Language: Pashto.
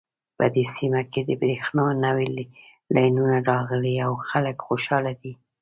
په دې سیمه کې د بریښنا نوې لینونه راغلي او خلک خوشحاله دي